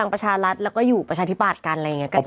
ที่ประชาทิบาตรการอะไรอย่างเงี้ยกระจายกัน